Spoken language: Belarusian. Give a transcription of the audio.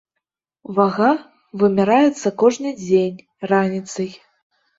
Вага вымяраецца кожны дзень раніцай.